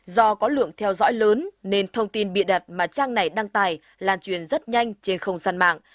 do có lượng theo dõi lớn nên thông tin bịa đặt mà trang này đăng tải lan truyền rất nhanh trên không gian mạng